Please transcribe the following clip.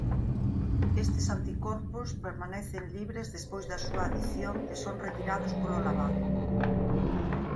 Estes anticorpos permanecen libres despois da súa adición e son retirados polo lavado.